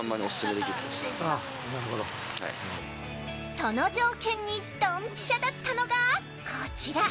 その条件にどんぴしゃだったのが、こちら。